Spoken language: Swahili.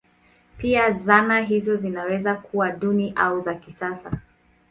Pia zana hizo zinaweza kuwa duni au za kisasa.